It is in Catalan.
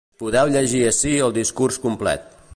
Podeu llegir ací el discurs complet.